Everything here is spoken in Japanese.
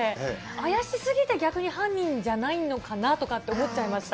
怪しすぎて、逆に犯人じゃないのかなとかって思っちゃいました。